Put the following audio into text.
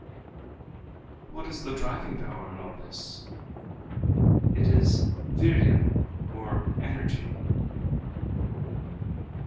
"What is the driving power in all this?" "It is vîrya or energy."